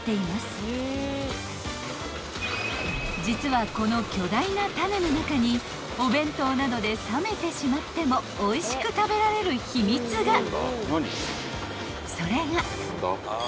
［実はこの巨大なタネの中にお弁当などで冷めてしまってもおいしく食べられる秘密が］